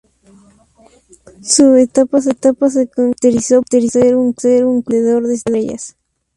Su etapa se caracterizó por ser un club vendedor de estrellas.